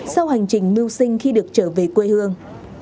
sau hành trình mưu sinh khi được trở về quê hương